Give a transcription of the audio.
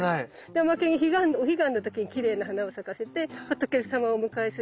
おまけにお彼岸の時にきれいな花を咲かせて仏様をお迎えするお花になる。